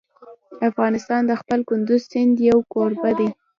افغانستان د خپل کندز سیند یو کوربه دی.